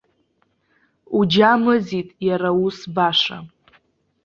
Уџьа мыӡит иара ус баша.